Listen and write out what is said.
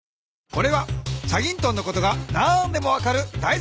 これは『チャギントン』のことが何でも分かるだい